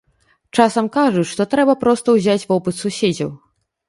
Часам кажуць, што трэба проста ўзяць вопыт суседзяў.